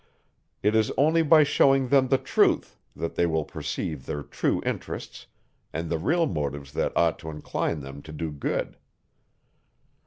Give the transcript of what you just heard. It is only by showing them the truth, that they will perceive their true interests, and the real motives that ought to incline them to do good.